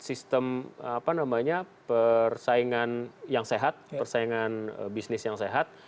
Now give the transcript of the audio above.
ada sistem apa namanya persaingan yang sehat persaingan bisnis yang sehat